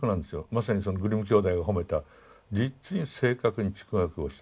まさにグリム兄弟が褒めた実に正確に逐語訳をした。